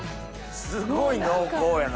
すごい濃厚やな。